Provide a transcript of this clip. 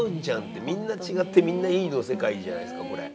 「みんな違ってみんないい」の世界じゃないですかこれ。